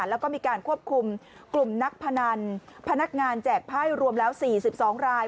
แล้วก็มีการควบคุมกลุ่มนักพนันพนักงานแจกไพ่รวมแล้ว๔๒ราย